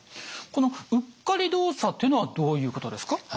この「うっかり動作」というのはどういうことですか？